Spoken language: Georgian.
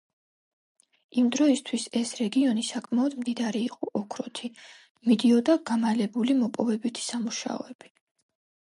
იმ დროისთვის, ეს რეგიონი საკმაოდ მდიდარი იყო ოქროთი, მიდიოდა გამალებული მოპოვებითი სამუშაოები.